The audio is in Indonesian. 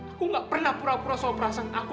aku gak pernah pura pura soal perasaan aku